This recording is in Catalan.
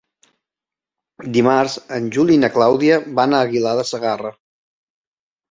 Dimarts en Juli i na Clàudia van a Aguilar de Segarra.